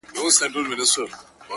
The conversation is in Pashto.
ښه دی چي ونه درېد ښه دی چي روان ښه دی؛